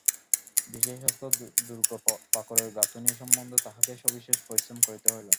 বিশেষত দুর্গপ্রাকারের গাঁথুনি সম্বন্ধে তাঁহাকে সবিশেষ পরিশ্রম করিতে হইল।